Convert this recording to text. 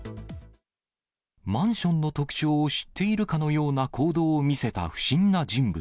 マンションの特徴を知っているかのような行動を見せた不審な人物。